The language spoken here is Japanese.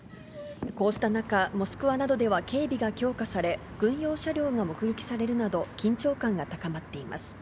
こうした中、モスクワなどでは、警備が強化され、軍用車両が目撃されるなど、緊張感が高まっています。